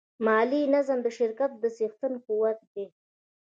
مالي نظم د شرکت د څښتن قوت دی.